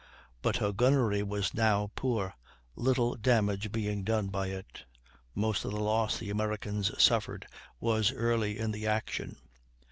But her gunnery was now poor, little damage being done by it; most of the loss the Americans suffered was early in the action.